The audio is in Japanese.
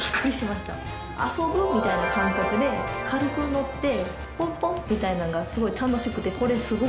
遊ぶみたいな感覚で軽く乗ってポンポン！みたいなのがすごい楽しくて。